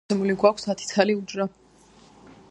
და ასევე მოცემული გვაქვს ათი ცალი უჯრა.